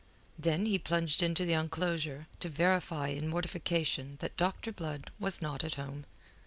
Then he plunged into the enclosure, to verify in mortification that Dr. Blood was not at home.